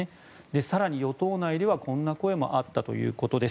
更に、与党内ではこんな声もあったということです。